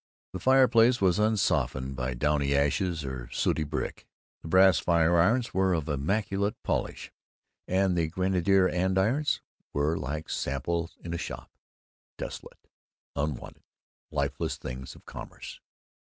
The fireplace was unsoftened by downy ashes or by sooty brick; the brass fire irons were of immaculate polish; and the grenadier andirons were like samples in a shop, desolate, unwanted, lifeless things of commerce.